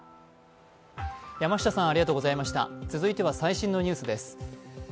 続いては最新のニュースです。